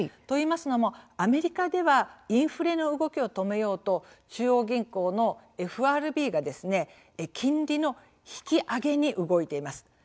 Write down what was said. といいますのもアメリカではインフレの動きを止めようと中央銀行のＦＲＢが金利の引き上げに動いています。